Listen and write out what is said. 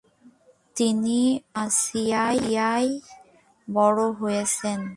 তিনি আমাসিয়ায় বড় হয়েছেন।